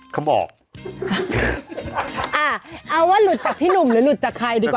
เขาบอกอ่าเอาว่าหลุดจากพี่หนุ่มหรือหลุดจากใครดีกว่า